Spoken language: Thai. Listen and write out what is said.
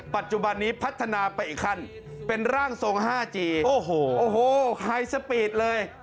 ปัจจุบันนี้พัฒนาไปอีกขั้นเป็นร่างทรง๕จีนโอ้โหไฮสปีดเลย